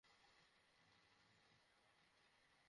এবং জীবনে ওরা যেন প্রতিষ্ঠিত হয় সেটা নিশ্চিত করবো।